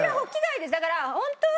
だからホントは。